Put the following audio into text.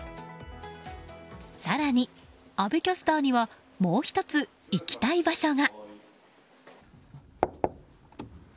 更に阿部キャスターにはもう１つ、行きたい場所が。